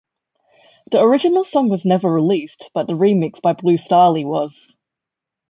The original song was never released, but the remix by Blue Stahli was.